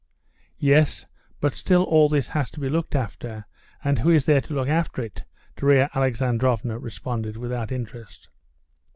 "Yes, but still all this has to be looked after, and who is there to look after it?" Darya Alexandrovna responded, without interest.